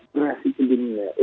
berasikil ini ya